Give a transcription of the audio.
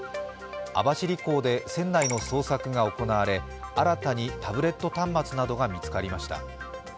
網走港で船内の捜索が行われ、新たにタブレット端末などが見つかりました。